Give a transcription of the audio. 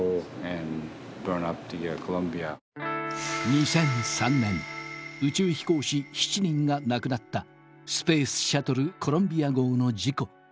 ２００３年宇宙飛行士７人が亡くなったスペースシャトルコロンビア号の事故。